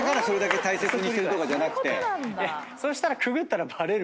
そしたらくぐったらバレる。